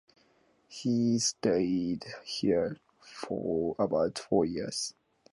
He stayed here for about four years.